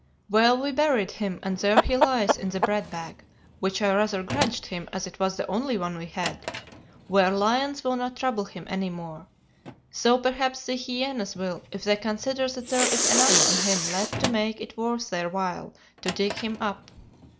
"Well, we buried him, and there he lies in the bread bag (which I rather grudged him, as it was the only one we had), where lions will not trouble him any more though perhaps the hyænas will, if they consider that there is enough on him left to make it worth their while to dig him up.